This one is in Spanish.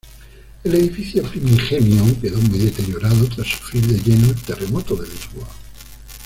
El edificio primigenio, quedó muy deteriorado tras sufrir de lleno el terremoto de Lisboa.